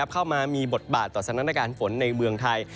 เข้ามามีบทบาทต่อสถานการณ์ฝนในเมืองไทย